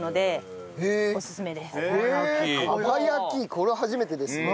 これは初めてですね。